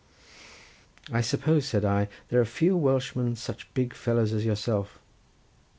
"I suppose," said I, "there are few Welshmen such big fellows as yourself."